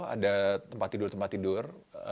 ada tempat tidur tempat tidur